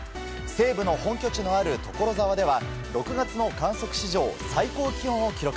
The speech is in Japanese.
西武の本拠地のある所沢では６月の観測史上最高気温を記録。